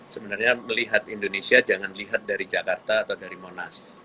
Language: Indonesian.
sebenarnya melihat indonesia jangan lihat dari jakarta atau dari monas